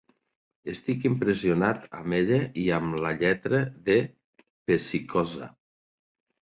Estic impressionat amb ella i amb la lletra de Pecikoza.